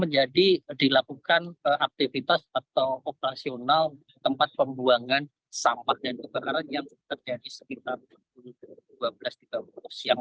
jadi dilakukan aktivitas atau operasional tempat pembuangan sampah dan kebakaran yang terjadi sekitar dua belas tiga puluh siang